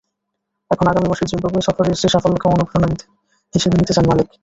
এখন আগামী মাসের জিম্বাবুয়ে সফরে স্ত্রীর সাফল্যকে অনুপ্রেরণা হিসেবে নিতে চান মালিক।